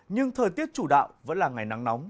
nhưng thời tiết chủ đạo vẫn là ngày nắng nóng